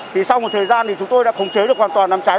thì sau một thời gian thì chúng tôi đã khống chế được hoàn toàn đám cháy